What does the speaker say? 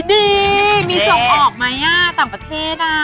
ดีมีส่งออกไหมต่างประเทศอ่ะ